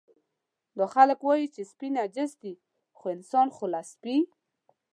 دا خلک وایي چې سپي نجس دي، خو انسان خو له سپي.